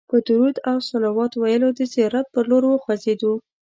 په درود او صلوات ویلو د زیارت پر لور وخوځېدو.